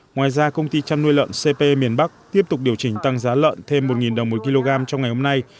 ngoài ra công ty chăn nuôi lợn cp miền bắc tiếp tục điều chỉnh tăng giá lợn thêm một đồng một kg trong ngày hôm nay